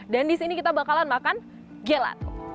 dan di sini kita bakalan makan gelato